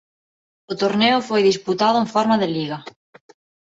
O torneo foi disputado en forma de liga.